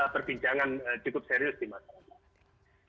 perbincangan cukup serius di masyarakat